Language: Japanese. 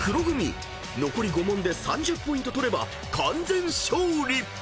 ［残り５問で３０ポイント取れば完全勝利！］